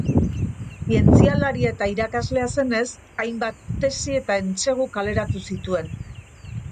Zientzialaria eta irakaslea zenez, hainbat tesi eta entsegu kaleratu zituen.